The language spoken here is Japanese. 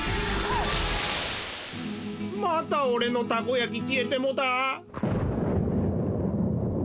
またおれのたこやききえてもうた。